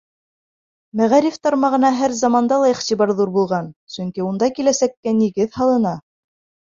Мәғариф тармағына һәр заманда ла иғтибар ҙур булған, сөнки унда киләсәккә нигеҙ һалына.